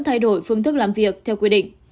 thay đổi phương thức làm việc theo quy định